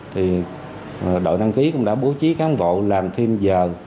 thì đội đăng ký cũng đã bố trí cán bộ làm thêm giờ